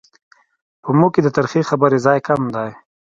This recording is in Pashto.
په موږ کې د ترخې خبرې ځای کم دی.